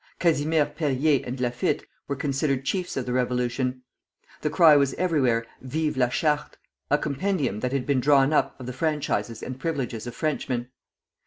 Casimir Perrier and Laffitte were considered chiefs of the revolution. The cry was everywhere "Vive la Charte," a compendium that had been drawn up of the franchises and privileges of Frenchmen.